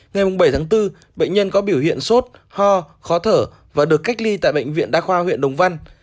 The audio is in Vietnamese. ngày bảy tháng bốn bệnh nhân có biểu hiện sốt ho khó thở và được cách ly tại bệnh viện đa khoa huyện đồng văn